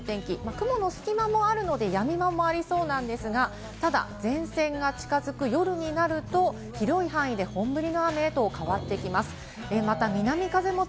雲の隙間もあるので、やみ間もありそうなんですが、ただ、前線が近づく夜になると広い範囲で本降りの雨へと変わっていきます。